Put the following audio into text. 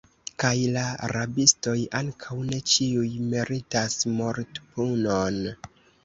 Kaj la rabistoj ankaŭ ne ĉiuj meritas mortpunon.